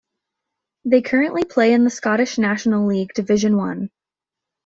They currently play in the Scottish National League Division One.